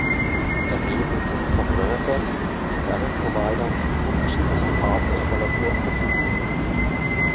Daneben sind von Renesas und externen Providern unterschiedliche Hardware-Emulatoren verfügbar.